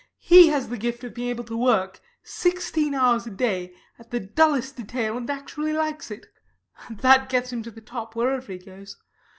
He has the gift of being able to work sixteen hours a day at the dullest detail, and actually likes it. That gets him to the top wherever he goes.